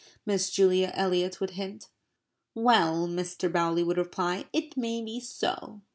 Miss Julia Eliot would hint. "Well," Mr. Bowley would reply, "it may be so."